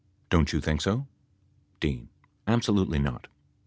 Don't you think so ? D. Absolutely not.